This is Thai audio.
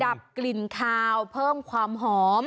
กับกลิ่นคาวเพิ่มความหอม